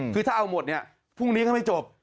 คือถ้าเอาหมดเนี่ยพรุ่งนี้ก็ไม่จบ